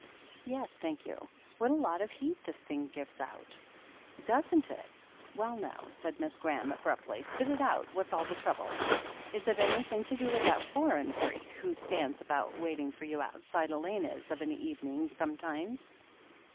"Yes, thank you. What a lot of heat this thing gives out !" "Doesn't it? Well, now," said Miss Graham ab ruptly, "spit it out. What's all the trouble ? Is it any thhig to do with that foreign freak who stands about waiting for you outside Elena's of an evening some times?"